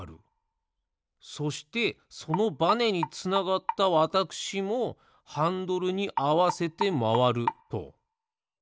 そしてそのバネにつながったわたくしもハンドルにあわせてまわると。